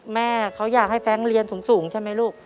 แม่เขาอยากให้แฟรงค์เรียนสูงใช่ไหมลูก